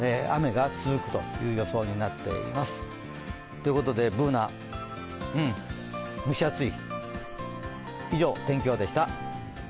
ということでＢｏｏｎａ蒸し暑い？